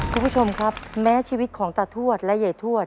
คุณผู้ชมครับแม้ชีวิตของตาทวดและยายทวด